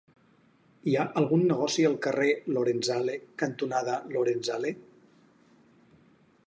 Hi ha algun negoci al carrer Lorenzale cantonada Lorenzale?